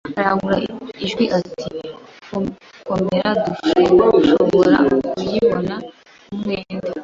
Arangurura ijwi ati Komera dushobora kuyibona ku mwenda